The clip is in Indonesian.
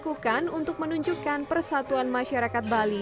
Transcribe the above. ini juga dilakukan untuk menunjukkan persatuan masyarakat bali